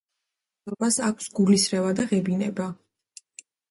პაციენტთა უმეტესობას აქვს გულისრევა და ღებინება.